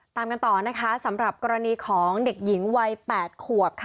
ตามกันต่อสำหรับกรณีของเด็กหญิงไว้๘ขวบ